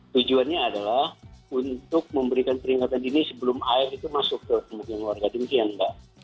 tujuannya adalah untuk memberikan peringatan dini sebelum air itu masuk ke pemukiman warga demikian mbak